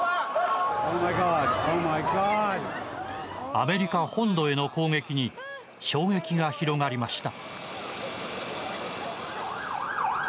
アメリカ本土への攻撃に衝撃が広がりました。